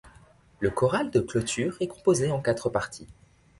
Le choral de clôture est composé en quatre parties.